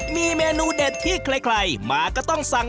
มีเมนูเด็ดที่ใครมาก็ต้องสั่ง